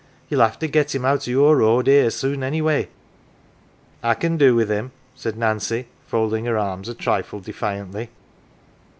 Ye'll have to get him out o' your road here, soon, anyway." " I can do with him !" said Nancy, folding her arms a trifle defiantly.